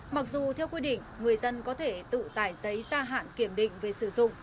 mặc dù theo quy định người dân có thể tự tải giấy ra hạn kiểm định về sử dụng